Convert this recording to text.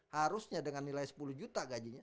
harusnya dengan nilai sepuluh juta gajinya